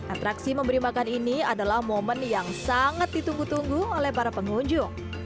atraksi memberi makan ini adalah momen yang sangat ditunggu tunggu oleh para pengunjung